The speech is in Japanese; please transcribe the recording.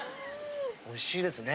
おいしいですね。